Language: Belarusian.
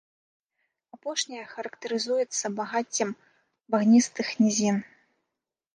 Апошняя характарызуецца багаццем багністых нізін.